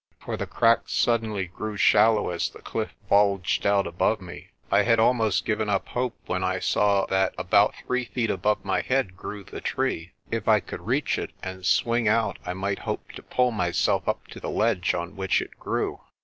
For the crack suddenly grew shallow as the cliff bulged out above me. I had almost given up hope, when I saw that about three feet above my head grew the tree. If I could reach it and swing out I might hope to pull myself up to the ledge on which it grew.